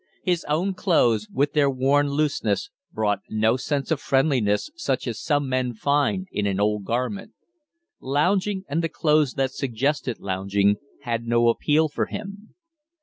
His own clothes, with their worn looseness, brought no sense of friendliness such as some men find in an old garment. Lounging, and the clothes that suggested lounging, had no appeal for him.